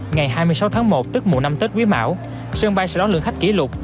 ngày hai mươi sáu tháng một tức mùa năm tết quý mão sân bay sẽ đón lượng khách kỷ lục